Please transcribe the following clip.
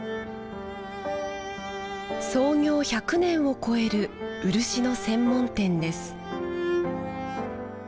創業１００年を超える漆の専門店です